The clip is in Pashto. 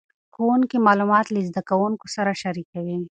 ښوونکي معلومات له زده کوونکو سره شریکوي.